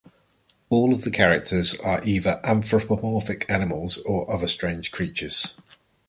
All of the characters are either anthropomorphic animals or other strange creatures.